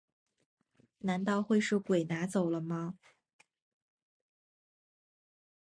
难道会是鬼拿走了吗